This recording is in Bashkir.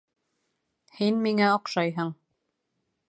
Һин миңә оҡшайһың